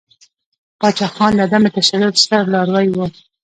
پاچاخان د عدم تشدد ستر لاروی ؤ.